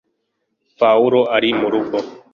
pawulo ari murugo